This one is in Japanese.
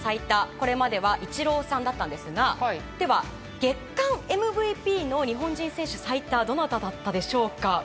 これまではイチローさんだったんですがでは、月間ＭＶＰの日本人選手最多はどなただったでしょうか。